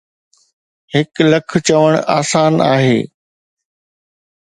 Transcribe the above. هڪ لک چوڻ آسان آهي.